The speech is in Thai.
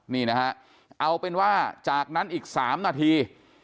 นี่นะฮะเอาเป็นว่าจากนั้นอีก๓นาที